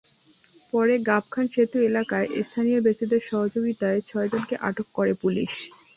পরে গাবখান সেতু এলাকায় স্থানীয় ব্যক্তিদের সহযোগিতায় ছয়জনকে আটক করে পুলিশ।